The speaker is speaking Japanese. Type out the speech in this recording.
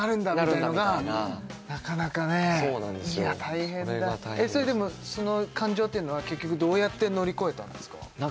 それが大変でしたいや大変だでもその感情っていうのは結局どうやって乗り越えたんですか？